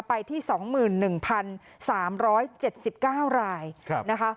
ไปที่สองหมื่นหนึ่งพันสามร้อยเจ็ดสิบเก้ารายนะคะ